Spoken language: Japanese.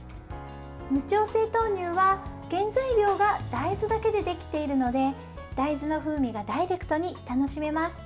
無調整豆乳は原材料が大豆だけでできているので大豆の風味がダイレクトに楽しめます。